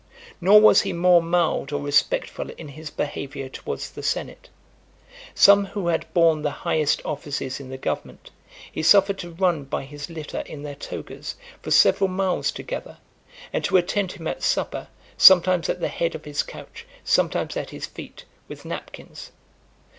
Nor was he more mild or respectful in his behaviour towards the senate. Some who had borne the (270) highest offices in the government, he suffered to run by his litter in their togas for several miles together, and to attend him at supper, sometimes at the head of his couch, sometimes at his feet, with napkins.